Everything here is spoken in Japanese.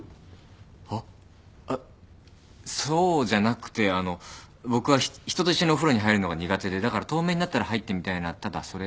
あっそうじゃなくてあの僕は人と一緒にお風呂に入るのが苦手でだから透明になったら入ってみたいなただそれだけで。